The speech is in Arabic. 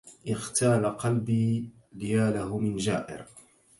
إغتال قلبي يا له من جائر